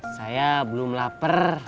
saya belum lapar